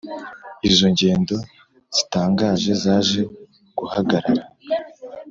Izo ngendo zitangaje zaje guhagarara.